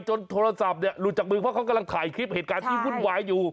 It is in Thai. โทรศัพท์เนี่ยหลุดจากมือเพราะเขากำลังถ่ายคลิปเหตุการณ์ที่วุ่นวายอยู่